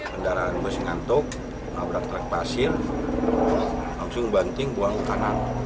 kendaraan masih ngantuk nabrak truk pasir langsung banting buang kanan